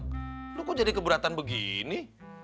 aduh kok jadi keberatan begini